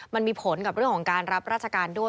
มันมีผลกับเรื่องของการรับราชการด้วย